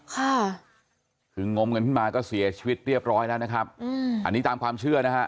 ค่ะคืองมกันขึ้นมาก็เสียชีวิตเรียบร้อยแล้วนะครับอืมอันนี้ตามความเชื่อนะฮะ